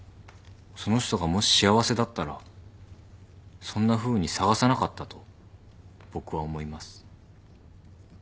その人がもし幸せだったらそんなふうに探さなかったと僕は思います。